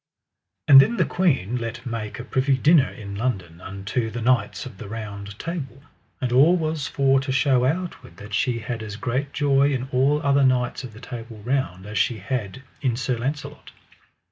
And then the queen let make a privy dinner in London unto the knights of the Round Table. And all was for to show outward that she had as great joy in all other knights of the Table Round as she had in Sir Launcelot.